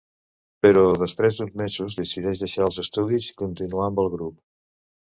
Però després d'uns mesos, decideix deixar els estudis i continuar amb el grup.